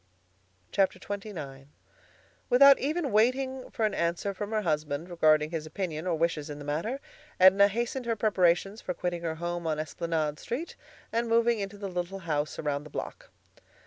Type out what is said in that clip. XXIX Without even waiting for an answer from her husband regarding his opinion or wishes in the matter, Edna hastened her preparations for quitting her home on Esplanade Street and moving into the little house around the block.